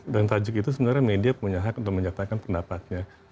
dan tajuk itu sebenarnya media punya hak untuk menjaktakan pendapatnya